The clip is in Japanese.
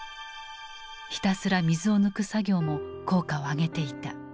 ひたすら水を抜く作業も効果をあげていた。